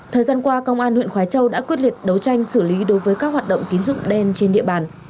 thời gian qua công an huyện khói châu đã quyết liệt đấu tranh xử lý đối với các hoạt động tín dụng đen trên địa bàn